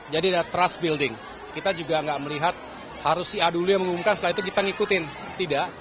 jadi ada trust building kita juga gak melihat harus si adulia mengumumkan setelah itu kita ngikutin tidak